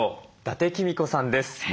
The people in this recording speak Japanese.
伊達公子さんです。